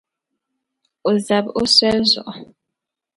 O zabi o soli zuɣu.